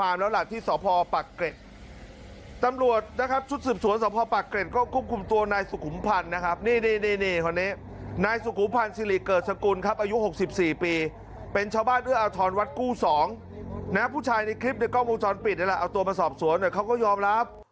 สิริเกิร์ชชกุลครับอายุ๖๔ปีเป็นชาวบ้านเอื้ออธรณวัดกู้๒นะผู้ชายในคลิปในกล้องมุมช้อนปิดเนี่ยละเอาตัวมาสอบสวนเนี่ยเขาก็ยอมรับ